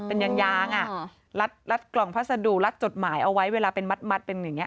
เป็นยางรัดกล่องพัสดุรัดจดหมายเอาไว้เวลาเป็นมัดเป็นอย่างนี้